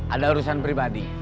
ada urusan pribadi